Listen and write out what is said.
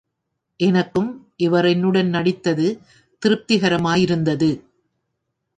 எனக்கும் இவர் என்னுடன் நடித்தது திருப்திகரமாயிருந்தது.